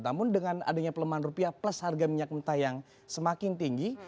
namun dengan adanya pelemahan rupiah plus harga minyak mentah yang semakin tinggi